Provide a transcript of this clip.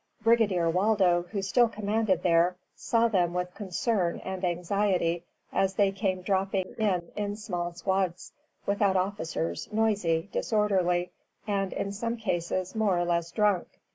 Brigadier Waldo, who still commanded there, saw them with concern and anxiety, as they came dropping in in small squads, without officers, noisy, disorderly, and, in some cases, more or less drunk.